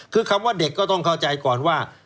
คือคำว่าเด็กก็ต้องเข้าใจก่อนว่า